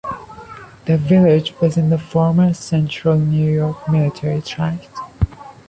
The village was in the former Central New York Military Tract.